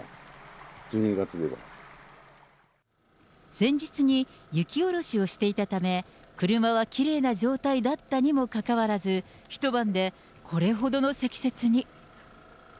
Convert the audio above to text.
前日に雪下ろしをしていたため、車はきれいな状態だったにもかかわらず、一晩でこれほどの積雪に。